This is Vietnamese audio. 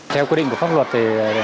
theo quy định của pháp luật thì